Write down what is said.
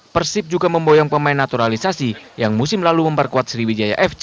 persib juga memboyong pemain naturalisasi yang musim lalu memperkuat sriwijaya fc